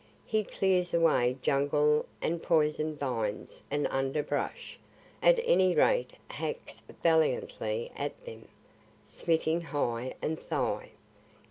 He clears away jungle and poisonvines and underbrush at any rate hacks valiantly at them, smiting hip and thigh.